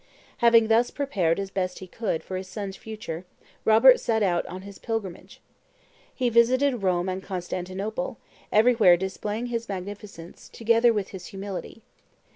Having thus prepared, as best he could, for his son's future, Robert set out on his pilgrimage. He visited Rome and Constantinople, everywhere displaying his magnificence, together with his humility.